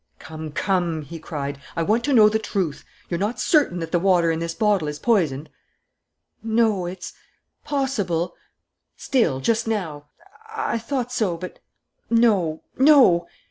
"Come, come," he cried, "I want to know the truth: You're not certain that the water in this bottle is poisoned?" "No ... it's possible " "Still, just now " "I thought so. But no ... no!"